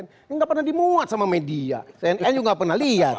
ini tidak pernah dimuat sama media saya juga tidak pernah lihat